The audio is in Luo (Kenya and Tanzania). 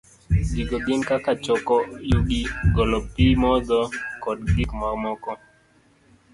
Gigo gin kaka choko yugi, golo pi modho, kod gik mamoko.